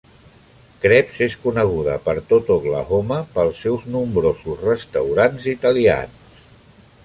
Krebs és coneguda per tot Oklahoma pels seus nombrosos restaurants italians.